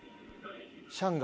シャンが。